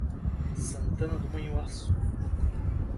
Santana do Manhuaçu